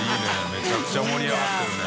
めちゃくちゃ盛り上がってるね。